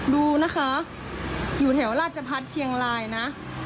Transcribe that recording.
ดูนะคะอยู่แถวราชพัฒน์เชียงรายนะ